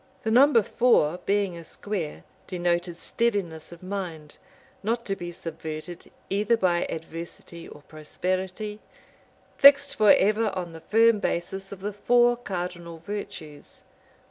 The number four, being a square, denoted steadiness of mind, not to be subverted either by adversity or prosperity, fixed forever on the firm basis of the four cardinal virtues.